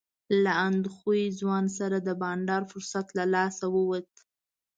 له اندخویي ځوان سره د بنډار فرصت له لاسه ووت.